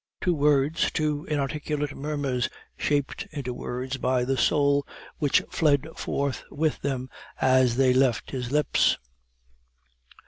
Two words, two inarticulate murmurs, shaped into words by the soul which fled forth with them as they left his lips.